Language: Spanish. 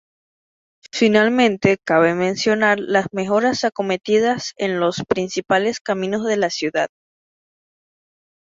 Finalmente cabe mencionar las mejoras acometidas en los principales caminos de la ciudad.